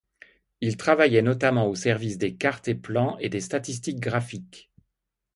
Il travaillait notamment aux services des cartes et plans et des statistiques graphique.